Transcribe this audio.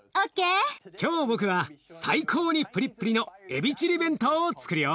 今日僕は最高にプリプリのエビチリ弁当をつくるよ。